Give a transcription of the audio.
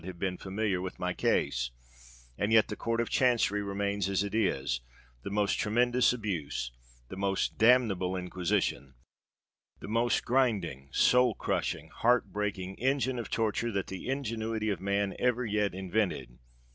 have been familiar with my case—and yet the Court of Chancery remains as it is, the most tremendous abuse—the most damnable Inquisition—the most grinding, soul crushing, heart breaking engine of torture that the ingenuity of man ever yet invented!